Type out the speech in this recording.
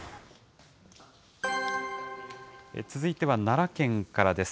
続いては奈良県からです。